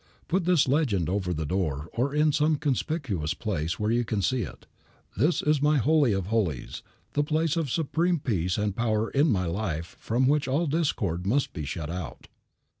Put this legend over the door, or in some conspicuous place where you can see it. "This is my holy of holies, the place of supreme peace and power in my life from which all discord must be shut out."